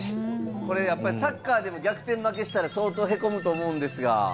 これやっぱりサッカーでも逆転負けしたら相当へこむと思うんですが。